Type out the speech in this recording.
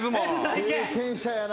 経験者やな。